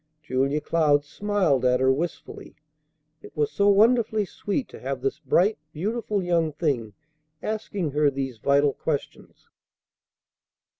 Julia Cloud smiled at her wistfully. It was so wonderfully sweet to have this bright, beautiful young thing asking her these vital questions.